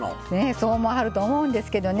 そう思わはると思うんですけどね